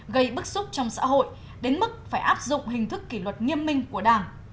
gây bức xúc trong xã hội đến mức phải áp dụng hình thức kỷ luật nghiêm minh của đảng